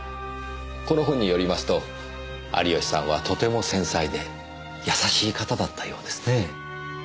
この本によりますと有吉さんはとても繊細で優しい方だったようですね。